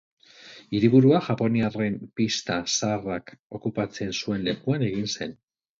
Hiriburua japoniarren pista zaharrak okupatzen zuen lekuan egin zen.